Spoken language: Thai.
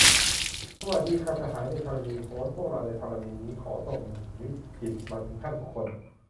สวัสดีค่ะ สหายในธรณีโพ้น พวกเราในธรณีนี้ ขอส่งมิตรจิตมาถึงท่านทุกคน